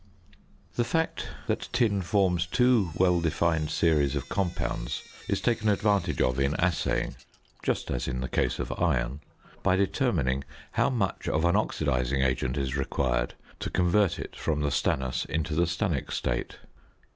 The fact that tin forms two well defined series of compounds is taken advantage of in assaying (just as in the case of iron), by determining how much of an oxidising agent is required to convert it from the stannous into the stannic state.